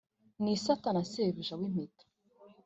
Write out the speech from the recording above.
n' isata na shebuja w' impeta